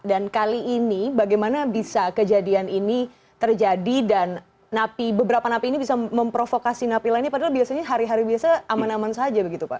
dan kali ini bagaimana bisa kejadian ini terjadi dan beberapa napi ini bisa memprovokasi napi lainnya padahal biasanya hari hari biasa aman aman saja begitu pak